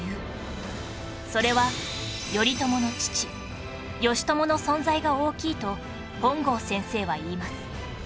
それは頼朝の父義朝の存在が大きいと本郷先生は言います